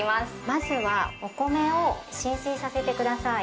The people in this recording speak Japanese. まずはお米を浸水させてください。